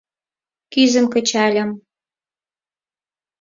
Кӱзым кычальым.